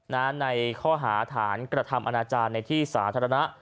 ในข้อหาฐานกระทำอนาจารย์ในที่สาธารณะ